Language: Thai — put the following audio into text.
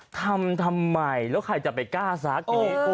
ทำทำไมแล้วใครจะไปกล้าซัก